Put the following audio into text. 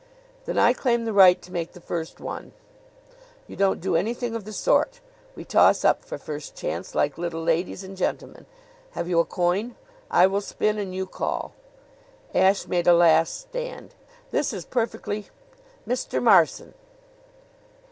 "Then I claim the right to make the first one." "You don't do anything of the sort. We toss up for first chance, like little ladies and gentlemen. Have you a coin? I will spin, and you call." Ashe made a last stand. "This is perfectly " "Mr. Marson!"